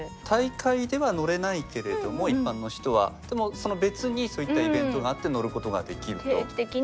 大会では乗れないけれども一般の人はでもその別にそういったイベントがあって乗ることができると。